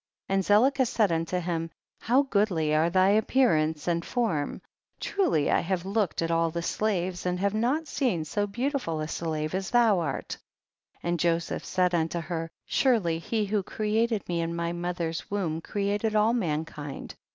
17. And Zelicah said unto him, how goodly are thy appearance and form, truly I have looked at all the slaves, and have not seen so beauti ful a slave as thou art ; and Joseph said unto her, surely he who created me in my mother's womb created all mankind.